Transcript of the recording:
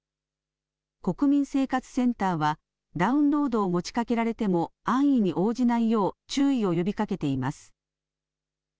国民生活センターは、ダウンロードを持ちかけられても、安易に応じないよう注意を呼びかけています。